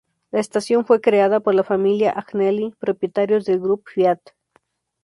La estación fue creada por la familia Agnelli, propietarios del Grupo Fiat.